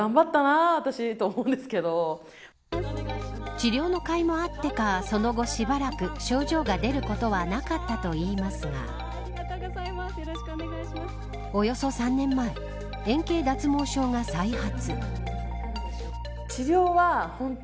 治療の甲斐もあってかその後しばらく、症状が出ることはなかったといいますがおよそ３年前円形脱毛症が再発。